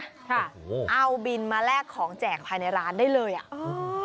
ค่ะเอาบินมาแลกของแจกภายในร้านได้เลยอ่ะ